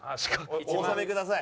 お納めください。